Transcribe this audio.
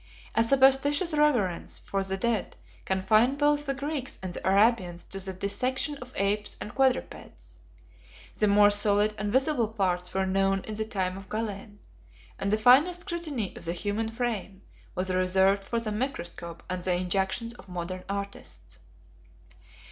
A superstitious reverence for the dead confined both the Greeks and the Arabians to the dissection of apes and quadrupeds; the more solid and visible parts were known in the time of Galen, and the finer scrutiny of the human frame was reserved for the microscope and the injections of modern artists.